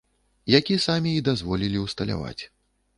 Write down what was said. Які самі і дазволілі ўсталяваць.